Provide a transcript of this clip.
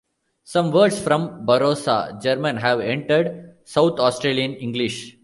Some words from Barossa German have entered South Australian English.